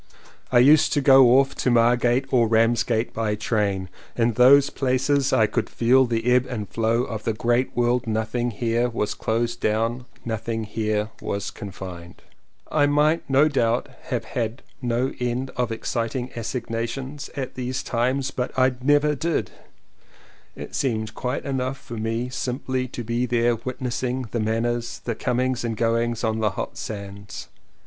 I used to go off to Margate or Ramsgate by tram. In those places I could feel the ebb and flow of the great world — nothing 193 CONFESSIONS OF TWO BROTHERS here was closed down, nothing here was confined. I might no doubt have had no end of exciting assignations at these times but I never did; it seemed quite enough for me simply to be there witnessing the man ners, the comings and goings on the hot sands.